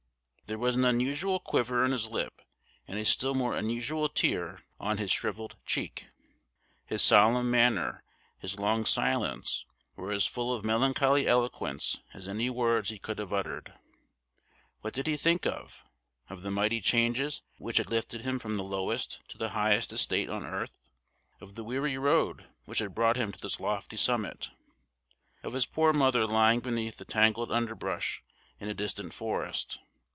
There was an unusual quiver in his lip, and a still more unusual tear on his shrivelled cheek. His solemn manner, his long silence, were as full of melancholy eloquence as any words he could have uttered. What did he think of? Of the mighty changes which had lifted him from the lowest to the highest estate on earth? Of the weary road which had brought him to this lofty summit? Of his poor mother lying beneath the tangled underbrush in a distant forest?